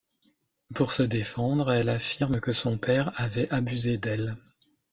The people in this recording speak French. Pour se défendre elle affirme que son père avait abusé d’elle.